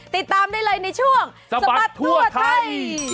ติดตามได้เลยในช่วงสบัดทั่วไทย